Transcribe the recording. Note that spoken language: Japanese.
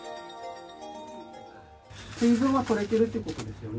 水分はとれてるってことですよね。